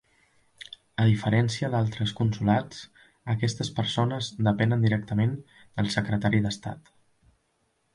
A diferència d'altres consolats, aquestes persones depenen directament del secretari d'estat.